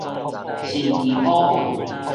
神奇寶貝